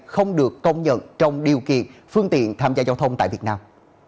không được công nhận trong điều kiện phương tiện tham gia giao thông tại việt nam